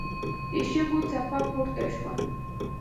د شګو څپه پورته شوه.